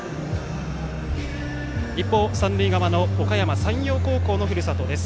一方、三塁側のおかやま山陽高校のふるさとです。